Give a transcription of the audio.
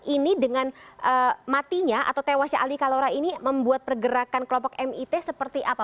ini dengan matinya atau tewasnya ali kalora ini membuat pergerakan kelompok mit seperti apa